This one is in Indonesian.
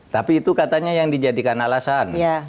tapi itu katanya yang dijadikan alasan